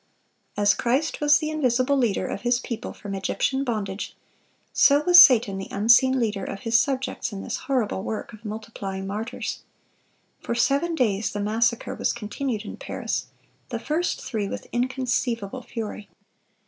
As Christ was the invisible leader of His people from Egyptian bondage, so was Satan the unseen leader of his subjects in this horrible work of multiplying martyrs. For seven days the massacre was continued in Paris, the first three with inconceivable fury.